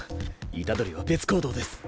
虎杖は別行動です。